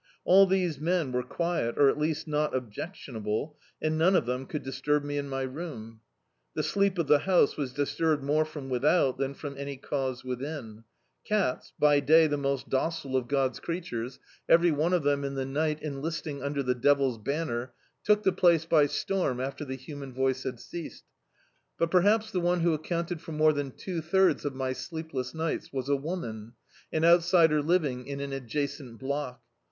All these men were quiet or at least not objectiwiable, and none of them could disturb me in my room. The sleep of the house was disturbed more from without than from any cause within. Cats — by day the most docile of God's D,i.,.db, Google The Farmhouse creatures, every one of them in the ni^t enlisting under the devil's banner — took the place by stonn after the human voice had ceased. But peiiiaps the (me who accounted for more than two thirds of my sleepless ni^ts, was a woman, an outsider livii^ in an adjacent block.